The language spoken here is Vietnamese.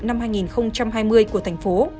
năm hai nghìn hai mươi của thành phố